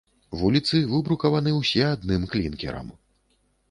Вуліцы выбрукаваны ўсе адным клінкерам.